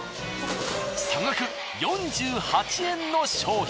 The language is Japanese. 差額４８円の商品。